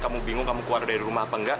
kamu bingung kamu keluar dari rumah apa enggak